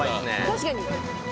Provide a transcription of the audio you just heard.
確かに。